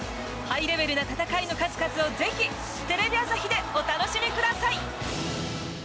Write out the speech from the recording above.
ハイレベルな戦いの数々をぜひテレビ朝日でお楽しみください！